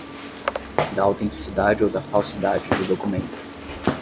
da autenticidade ou da falsidade de documento.